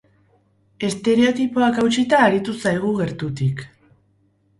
Estereotipoak hautsita aritu zaigu, gertutik.